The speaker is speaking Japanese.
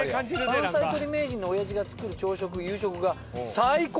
「山菜採り名人のおやじが作る朝食・夕食が最高！」。